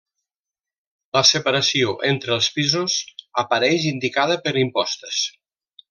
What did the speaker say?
La separació entre els pisos apareix indicada per impostes.